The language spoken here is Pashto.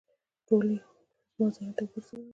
ټولې یې زما ذهن کې وګرځېدلې.